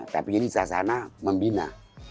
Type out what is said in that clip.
tapi ini sasana membina